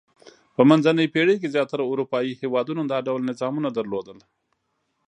په منځنۍ پېړۍ کې زیاترو اروپايي هېوادونو دا ډول نظامونه لرل.